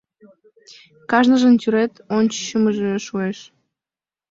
— Кажныжын тӱред ончымыжо шуэш.